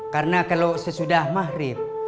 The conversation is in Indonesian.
karena kalau sesudah mahrib